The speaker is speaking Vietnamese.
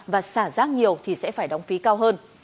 và xả rác nhiều thì sẽ phải đóng phí cao hơn